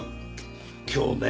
今日ね